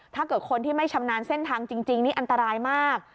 ถ้าเกิดคนที่ไม่ชำนาญเส้นทางจริงนี่อันตรายมาก